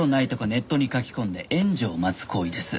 ネットに書き込んで援助を待つ行為です。